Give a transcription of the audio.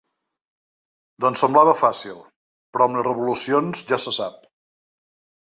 Doncs semblava fàcil, però amb les revolucions, ja se sap.